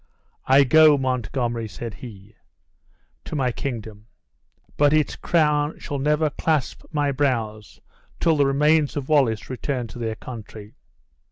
"I go, Montgomery," said he, "to my kingdom. But its crown shall never clasp my brows till the remains of Wallace return to their country.